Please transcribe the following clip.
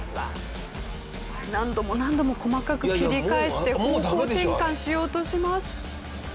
何度も何度も細かく切り返して方向転換しようとします。